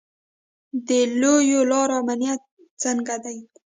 د لویو لارو امنیت څنګه دی؟